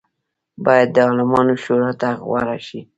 باید د عالمانو شورا ته غوره شي.